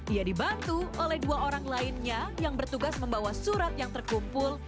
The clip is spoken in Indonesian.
ia dibantu oleh dua orang lainnya yang bertugas membawa surat yang terkumpul